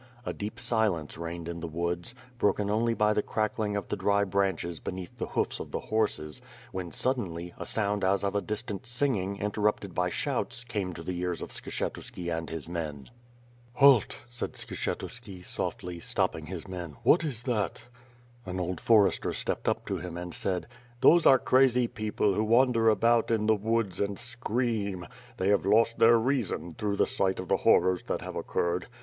A deep silence reigned in the woods, broken only by the crackling of the dry branches beneath the hoofs of the horses, when, suddenly, a sound as of distant singing, interrupted by shouts, came to the ears of Skshetuski and his men. "Halt,'* said Skshetuski, softly, stopping his men. ^^What is that?" An old forester stepped up to him and said: "Those are crazy people, who wander about in the woods, WITH FIRE AND SWOBD. 355 and scream. They have lost their reason, through the sight of the horrors that have occurred.